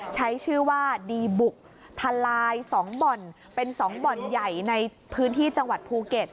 ใช้ชื่อว่าดีบุกทลาย๒บ่อนเป็น๒บ่อนใหญ่ในพื้นที่จังหวัดภูเก็ต